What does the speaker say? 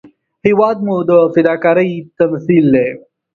هېواد مو د فداکارۍ تمثیل دی